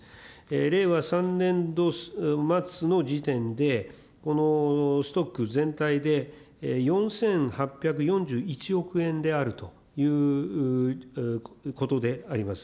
令和３年度末の時点で、このストック全体で４８４１億円であるということであります。